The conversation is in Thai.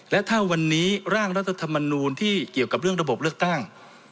และถ้าวันนี้ร่างรัฐธรรมนูลที่เกี่ยวกับเรื่องระบบเลือกตั้ง